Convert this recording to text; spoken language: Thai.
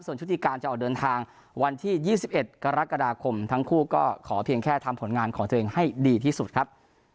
ส่วนชุติการจะออกเดินทางวันที่๒๑กรกฎาคมทั้งคู่ก็ขอเพียงแค่ทำผลงานของตัวเองให้ดีที่สุดครับ